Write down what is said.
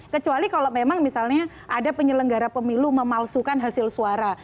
kecuali kalau memang misalnya ada penyelenggara pemilu memalsukan hasil suara